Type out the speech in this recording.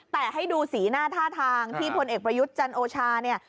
แต่ให้ดูสีหน้าท่าทางที่พลเอกประยุทธ์จันโอชาเนี่ย